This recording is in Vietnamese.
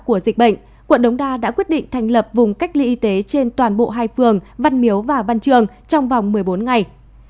quận đống đa đã quyết định thành lập vùng cách ly y tế trên toàn bộ hai phường văn miếu và văn trường trong vòng một mươi bốn ngày